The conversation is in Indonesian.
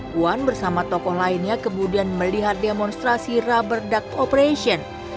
puan bersama tokoh lainnya kemudian melihat demonstrasi rubber duck operation